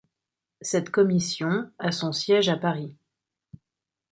Cette commission a son siège à Paris.